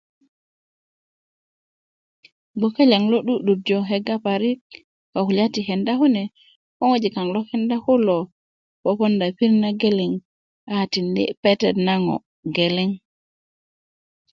bgwoke liyaŋ lo 'du'durjo kega parik ko kulya ti kenda kune ko ŋwajik kaŋ lo kenda kulo poponda i pirit na geleŋ a tindi pete na ŋo geleŋ